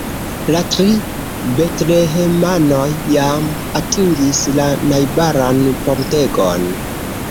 La tri betlehemanoj jam atingis la najbaran pordegon.